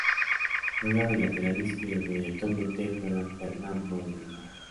Juega de lateral izquierdo y actualmente juega en Fernando de la Mora.